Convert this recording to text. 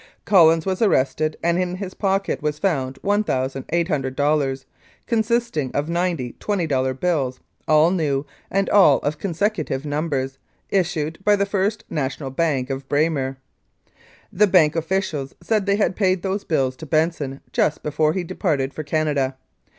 "Collins was arrested, and in his pocket was found $1,800, consisting of ninety $20 bills, all new, and all of consecutive numbers, issued by the First National Bank of Braymer. The bank officials said they had paid those bills to Benson just before he departed for Canada.